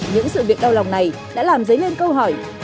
những sự việc đau lòng này đã làm dấy lên câu hỏi